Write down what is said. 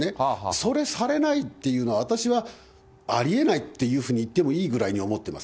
それ、されないっていうのは、私はありえないっていうふうに言ってもいいぐらいと思ってます。